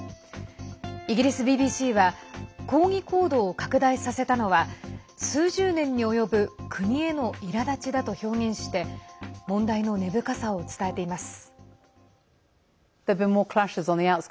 イギリスＢＢＣは抗議行動を拡大させたのは数十年に及ぶ国へのいらだちだと表現して問題の根深さを伝えています。